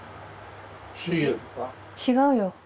違うよ。